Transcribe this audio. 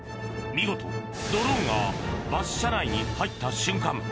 見事ドローンがバス車内に入った瞬間